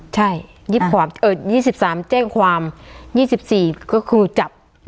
ใช่๒๓แจ้งความ๒๔ก็คือจับ